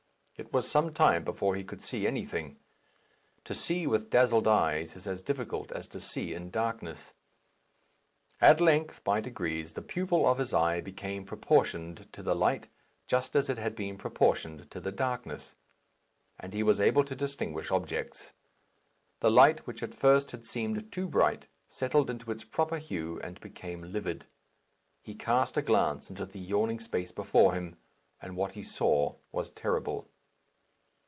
It was some time before he could see anything. To see with dazzled eyes is as difficult as to see in darkness. At length, by degrees, the pupil of his eye became proportioned to the light, just as it had been proportioned to the darkness, and he was able to distinguish objects. The light, which at first had seemed too bright, settled into its proper hue and became livid. He cast a glance into the yawning space before him, and what he saw was terrible.